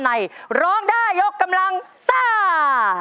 ในร้องได้ยกกำลังซ่า